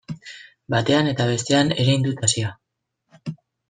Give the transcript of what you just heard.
Batean eta bestean erein dut hazia.